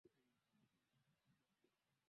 wafanyakazi wa titanic wanaweza kujibu swali hilo